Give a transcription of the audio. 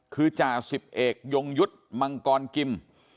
คือจ่าสิบเอกยงยุทธ์มังกรกิม